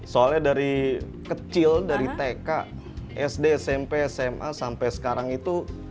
soalnya dari kecil dari tk sd smp sma sampai sekarang itu